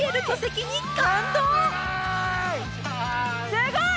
すごい！